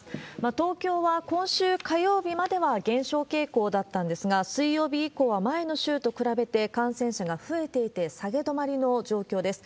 東京は今週火曜日までは減少傾向だったんですが、水曜日以降は前の週と比べて感染者が増えていて、下げ止まりの状況です。